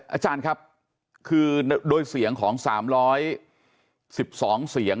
อาจารย์ครับคือโดยเสียงของ๓๑๒เสียง